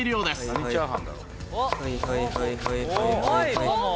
「はいはいはいはいはいはいはい」